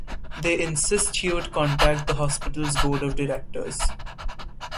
They insist he would contact the hospital's board of directors.